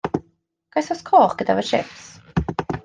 Ga i sôs coch gyda fy tsips?